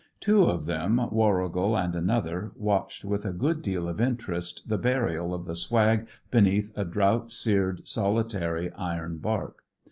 Two of them, Warrigal and another, watched with a good deal of interest the burial of the swag beneath a drought seared solitary iron bark.